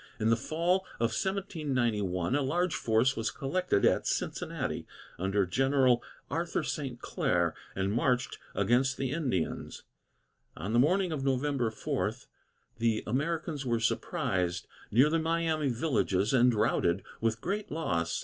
In the fall of 1791, a large force was collected at Cincinnati, under General Arthur St. Clair, and marched against the Indians. On the morning of November 4, the Americans were surprised near the Miami villages, and routed, with great loss.